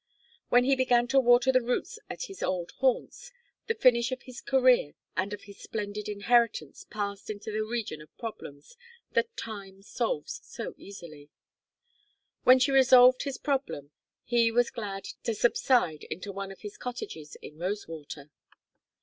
When he began to water the roots at his old haunts, the finish of his career and of his splendid inheritance passed into the region of problems that Time solves so easily. When she solved his problem he was glad to subside into one of his cottages in Rosewater.